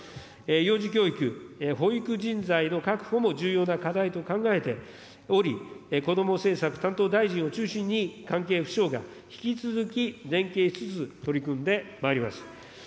幼児教育、保育人材の確保も重要な課題と考えており、こども政策担当大臣を中心に関係府省が引き続き連携しつつ、取り組んでまいります。